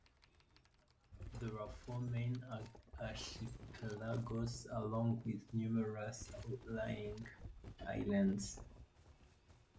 There are four main archipelagos along with numerous outlying islands.